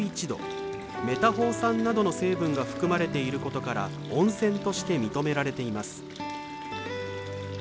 メタホウ酸などの成分が含まれていることから温泉として認められています。